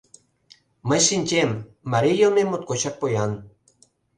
Мый шинчем: марий йылме моткочак поян.